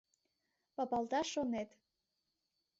Папалташ шонет —